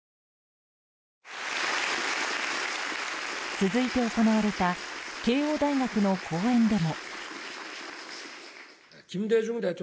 続いて行われた慶應大学の講演でも。